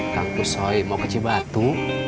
kangku soi mau ke cibatu